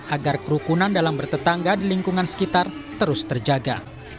agar kerukunan dalam bertetangga di lingkungan sekitar terus terjaga